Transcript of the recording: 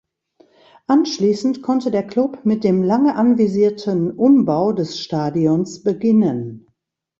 Anschließend konnte der Klub mit dem lange anvisierten Umbau des Stadions beginnen.